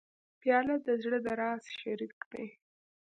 پیاله د زړه د راز شریک دی.